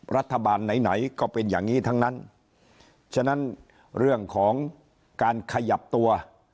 รัฐบาลไหนไหนก็เป็นอย่างนี้ทั้งนั้นฉะนั้นเรื่องของการขยับตัว